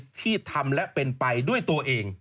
ที่ทำและเป็นไปด้วยตัวเอง